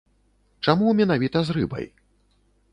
Чаму менавіта з рыбай?